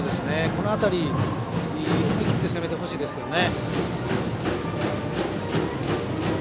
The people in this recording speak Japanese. この辺りに思い切って攻めてほしいですね。